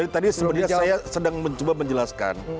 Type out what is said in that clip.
tadi sebenarnya saya sedang mencoba menjelaskan